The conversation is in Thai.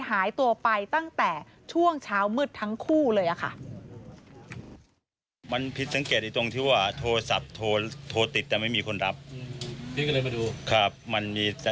หายตัวไปตั้งแต่ช่วงเช้ามืดทั้งคู่เลยค่ะ